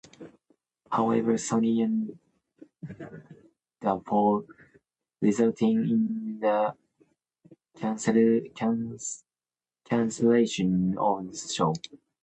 However, Sonny and Cher separated that fall, resulting in the cancellation of the show.